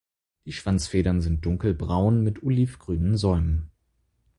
Die Schwanzfedern sind dunkelbraun mit olivgrünen Säumen.